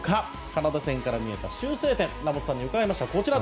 カナダ戦から見えた修正点をラモスさんに伺いました。